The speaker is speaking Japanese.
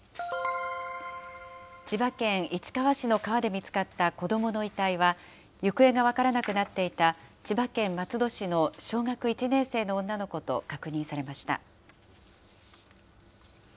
千葉県市川市の川で見つかった子どもの遺体は、行方が分からなくなっていた千葉県松戸市の小学１年生の女の子と確認されました。